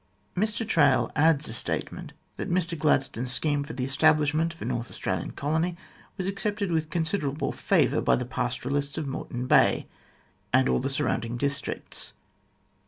Mr Traill adds a statement that Mr Gladstone's scheme for the establishment of a North Australian colony was accepted with considerable favour by the pastoralists of Moreton Bay and all the surrounding districts.